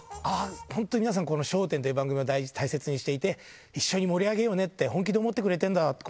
本当に皆さん、この笑点という番組を大切にしていて、一緒に盛り上げようねって、本気で思ってくれてるんだって。